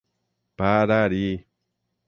Parari